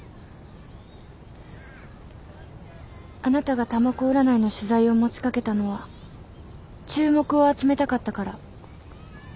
あなたがたまこ占いの取材を持ち掛けたのは注目を集めたかったから。